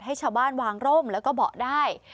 ให้ชาวบ้านวางร่มแล้วก็เบาะได้